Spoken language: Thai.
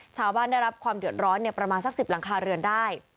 ชาวบ้านได้รับความเดือดร้อนประมาณสัก๑๐หลังคาเรือนได้